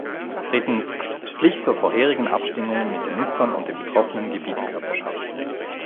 Drittens, Pflicht zur vorherigen Abstimmung mit den Nutzern und den betroffenen Gebietskörperschaften.